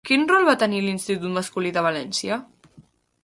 Quin rol va tenir a l'Institut masculí de València?